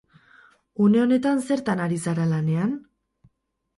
Une honetan, zertan ari zara lanean?